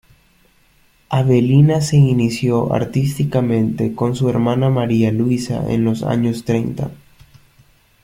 Avelina se inició artísticamente con su hermana María Luisa en los años treinta.